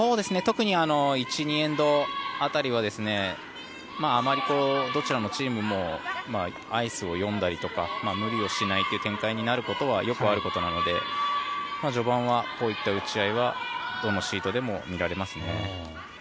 特に１、２エンド辺りはあまりどちらのチームもアイスを読んだりとか無理をしないという展開になることはよくあることなので序盤はこういった打ち合いはどのシートでも見られますね。